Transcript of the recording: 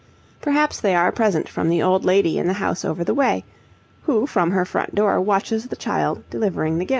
Perhaps they are a present from the old lady in the house over the way, who from her front door watches the child delivering the gift.